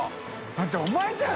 だってお前じゃん。